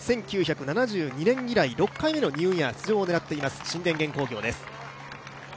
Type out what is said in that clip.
１９７２年以来、６回目のニューイヤー出場を狙っている新電元工業です。